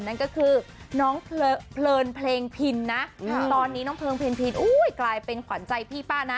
นั่นก็คือน้องเพลินเพลงพินนะตอนนี้น้องเพลิงเพ็ญพินอุ้ยกลายเป็นขวัญใจพี่ป้านะ